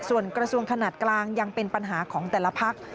ส่วนกระทรวงขนาดกลางยังเป็นปัญหาของแต่ละพัก